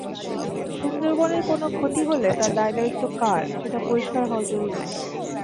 সুন্দরবনের কোনো ক্ষতি হলে তার দায়দায়িত্ব কার, সেটা পরিষ্কার হওয়া জরুরি।